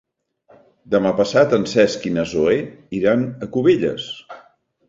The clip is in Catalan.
Demà passat en Cesc i na Zoè iran a Cubelles.